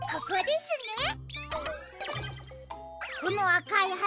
ここですね！